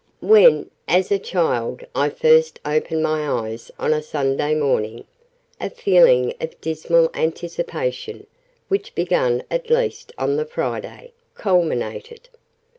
"When, as a child, I first opened my eyes on a Sunday morning, a feeling of dismal anticipation, which began at least on the Friday, culminated.